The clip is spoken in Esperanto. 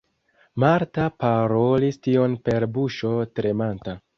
Marta parolis tion per buŝo tremanta.